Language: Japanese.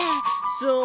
そう。